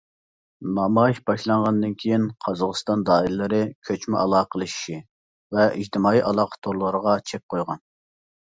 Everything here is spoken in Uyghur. نامايىش باشلانغاندىن كېيىن قازاقىستان دائىرىلىرى كۆچمە ئالاقىلىشىشى ۋە ئىجتىمائىي ئالاقە تورلىرىغا چەك قويغان.